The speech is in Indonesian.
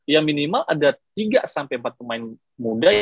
ya minimal ada tiga sampai empat pemain muda